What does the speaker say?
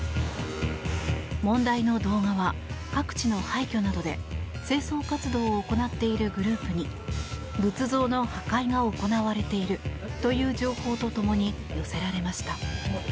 問題の動画は各地の廃虚などで清掃活動を行っているグループに仏像の破壊が行われているという情報とともに寄せられました。